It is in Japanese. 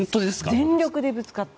全力でぶつかって。